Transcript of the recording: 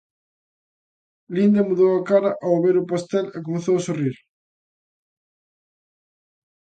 Linda mudou a cara ao ver o pastel e comezou a sorrir.